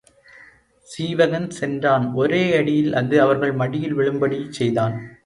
சீவகன் சென்றான் ஒரே அடியில் அது அவர்கள் மடியில் விழும்படிச் செய்தான்.